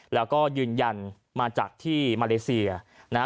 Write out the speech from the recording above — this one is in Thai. แล้วก็ยืนยันมาจากที่มาเลเซียนะฮะ